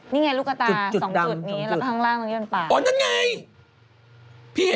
นี่ไงลูกกระตา๒จุดนี้